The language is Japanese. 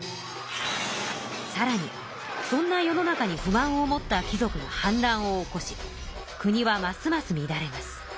さらにそんな世の中に不満を持った貴族が反乱を起こし国はますますみだれます。